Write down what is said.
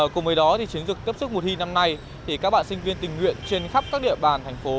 cùng với đó chiến dựng tiếp sức mùa thi năm nay các bạn sinh viên tình nguyện trên khắp các địa bàn thành phố